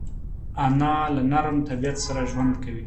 انا له نرم طبیعت سره ژوند کوي